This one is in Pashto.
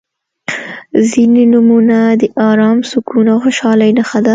• ځینې نومونه د ارام، سکون او خوشحالۍ نښه ده.